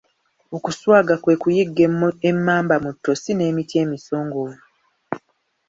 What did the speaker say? Okuswaga kwe kuyigga emmamba mu ttosi n'emiti emisongovu.